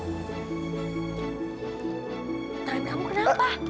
terima kamu kenapa